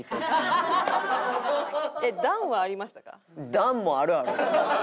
段もあるある。